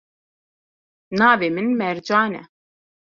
Navê min Mercan e.